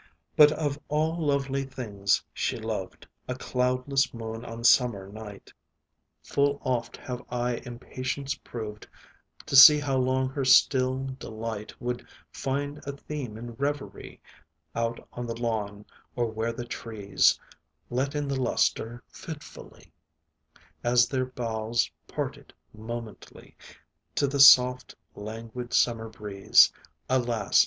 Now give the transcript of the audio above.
But of all lovely things, she loved A cloudless moon, on summer night, Full oft have I impatience proved To see how long her still delight Would find a theme in reverie, Out on the lawn, or where the trees Let in the lustre fitfully, As their boughs parted momently, To the soft, languid, summer breeze. Alas!